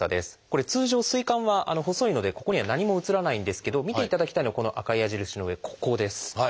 これ通常膵管は細いのでここには何も映らないんですけど見ていただきたいのはこの赤い矢印の上ここです。